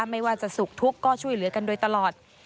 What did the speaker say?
ไม่ว่าจะสุขทุกข์ก็ช่วยเหลือกันโดยตลอด